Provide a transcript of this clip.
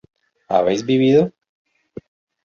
¿habéis vivido?